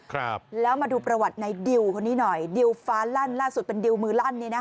ครับแล้วมาดูประวัติในดิวคนนี้หน่อยดิวฟ้าลั่นล่าสุดเป็นดิวมือลั่นนี่นะคะ